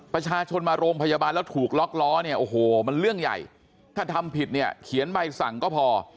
ประชาชนมาโรงพยาบาลแล้วถูกล็อกล้อเนี่ยโอ้โหมันเรื่องใหญ่ถ้าทำผิดเนี่ยเขียนใบสั่งก็พอ